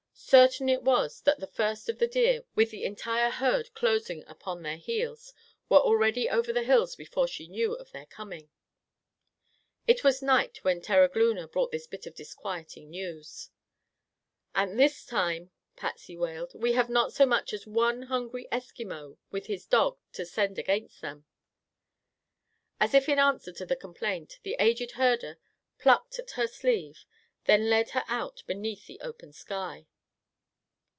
Certain it was that the first of the deer, with the entire herd close upon their heels, were already over the hills before she knew of their coming. It was night when Terogloona brought this bit of disquieting news. "And this time," Patsy wailed, "we have not so much as one hungry Eskimo with his dog to send against them." As if in answer to the complaint, the aged herder plucked at her sleeve, then led her out beneath the open sky.